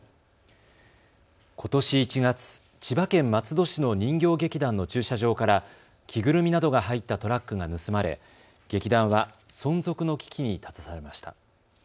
ことし１月、千葉県松戸市の人形劇団の駐車場から着ぐるみなどが入ったトラックが盗まれ劇団は存続の危機に立たされました。